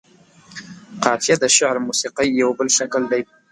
قافيه د شعر موسيقۍ يو بل شکل دى.